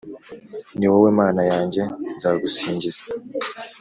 Ni wowe Mana yanjye nzagusingiza